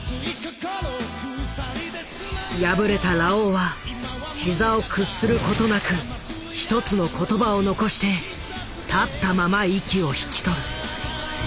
敗れたラオウは膝を屈することなく一つの言葉を残して立ったまま息を引き取る。